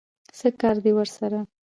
څه کار دی ورسره؟